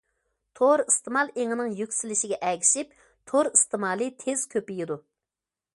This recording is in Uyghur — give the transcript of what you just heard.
تور ئىستېمال ئېڭىنىڭ يۈكسىلىشىگە ئەگىشىپ، تور ئىستېمالى تېز كۆپىيىدۇ.